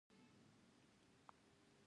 کاناډا د نکل فلز تولیدوي.